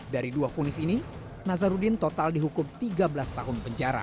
dari dua fonis ini nazarudin total dihukum tiga belas tahun penjara